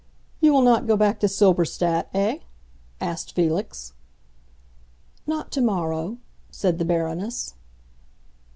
"You will not go back to Silberstadt, eh?" asked Felix. "Not tomorrow," said the Baroness.